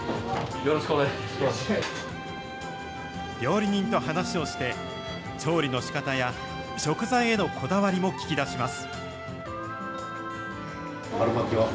料理人と話をして、調理のしかたや食材へのこだわりも聞き出します。